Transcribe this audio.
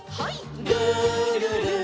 「るるる」